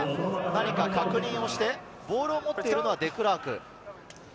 何か確認をして、ボールを持っているのはデクラーク。